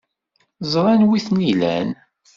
Ẓran wi ten-ilan.